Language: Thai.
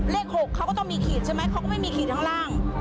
เลข๖เขาก็ต้องมีขีดใช่ไหมเขาก็ไม่มีขีดข้างล่าง